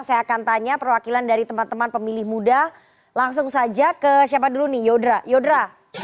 saya akan tanya perwakilan dari teman teman pemilih muda langsung saja ke siapa dulu nih yodra